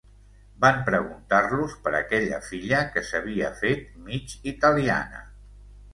Van preguntar-los per aquella filla que s'havia fet mig italiana...